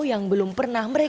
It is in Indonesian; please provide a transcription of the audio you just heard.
yang belum pernah dikenal